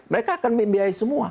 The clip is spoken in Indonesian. mereka akan membiayai semua